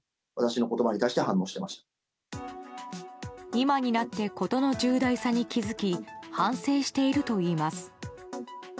今になって事の重大さに気づき反省しているといいます。